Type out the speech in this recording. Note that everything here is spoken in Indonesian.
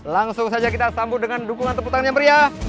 langsung saja kita sambut dengan dukungan tepuk tangan yang meriah